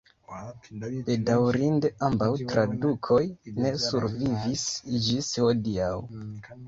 Bedaŭrinde ambaŭ tradukoj ne survivis ĝis hodiaŭ.